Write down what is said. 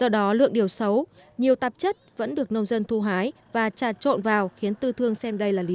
do đó lượng điều xấu nhiều tạp chất vẫn được nông dân thu hái và trà trộn vào khiến tư thương đạt thấp